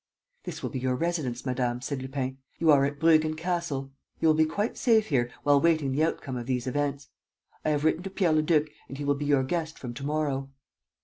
"This will be your residence, madame," said Lupin. "You are at Bruggen Castle. You will be quite safe here, while waiting the outcome of these events. I have written to Pierre Leduc and he will be your guest from to morrow."